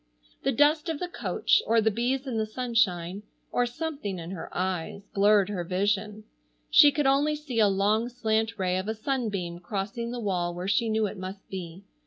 The dust of the coach, or the bees in the sunshine, or something in her eyes blurred her vision. She could only see a long slant ray of a sunbeam crossing the wall where she knew it must be.